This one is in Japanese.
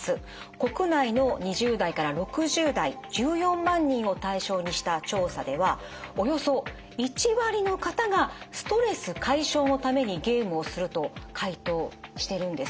国内の２０代から６０代１４万人を対象にした調査ではおよそ１割の方がストレス解消のためにゲームをすると回答してるんです。